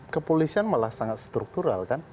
kepolisian malah sangat struktural kan